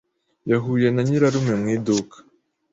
Yahuye na nyirarume mu iduka.